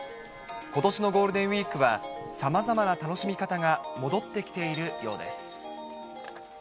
ことしのゴールデンウィークは、さまざまな楽しみ方が戻ってきているようです。